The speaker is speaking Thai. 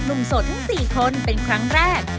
โสดทั้ง๔คนเป็นครั้งแรก